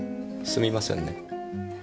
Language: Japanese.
すみません。